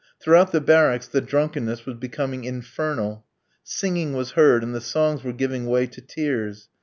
Throughout the barracks the drunkenness was becoming infernal. Singing was heard, and the songs were giving way to tears.